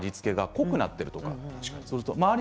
濃くなっている？